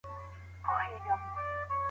هغه څېړونکی چي هوښیار وي هر څه په اسانۍ پېژني.